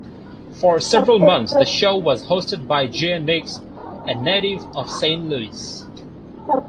For several months, the show was hosted by J-Nicks, a native of Saint Louis.